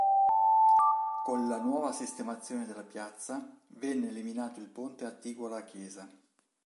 Con la nuova sistemazione della piazza venne eliminato il ponte attiguo alla chiesa.